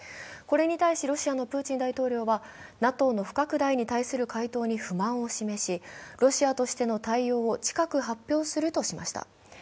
これに対しロシアのプーチン大統領はＮＡＴＯの不拡大に対する回答に不満を示し、ロシアとしての対応を近く発表するとしました。